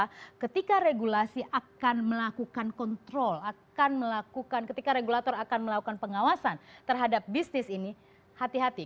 karena ketika regulasi akan melakukan kontrol akan melakukan ketika regulator akan melakukan pengawasan terhadap bisnis ini hati hati